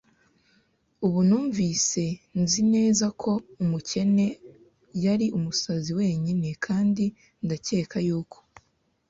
Ubu numvise nzi neza ko umukene yari umusazi wenyine, kandi ndakeka yuko